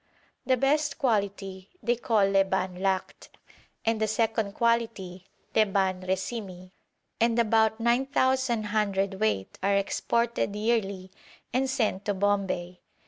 The best quality they call leban lakt, and the second quality leban resimi, and about 9,000 cwt. are exported yearly and sent to Bombay.